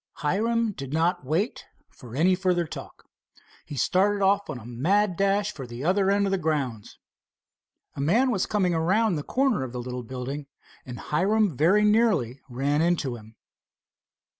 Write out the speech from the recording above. Hiram did not wait for any further talk. He started on a mad dash for the other end of the grounds. A man was coming around the corner of the little building, and Hiram very nearly ran into him.